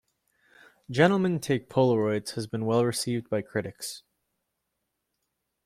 "Gentlemen Take Polaroids" has been well received by critics.